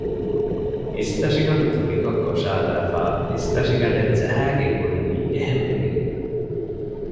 އިސްތަށިގަނޑު ތުނިކޮށް ކޮށައިލައިފައި އިސްތަށިގަނޑެއް ޖަހައިގެން އުޅެނީ އެހެންވެގެން